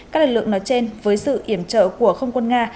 các lực lượng nói trên với sự iểm trợ của không quân nga